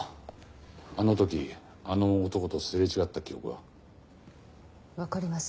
あの時あの男とすれ違った記憶は？わかりません。